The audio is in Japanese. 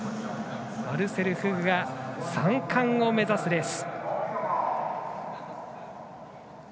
マルセル・フグが３冠を目指すレース。